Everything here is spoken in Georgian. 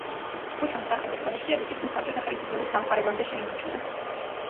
ქუჩამ სახე და ტრადიციები თითქმის საბჭოთა ხელისუფლების დამყარებამდე შეინარჩუნა.